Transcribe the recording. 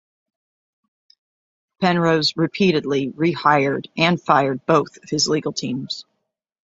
Penrose repeatedly rehired and fired both of his legal teams.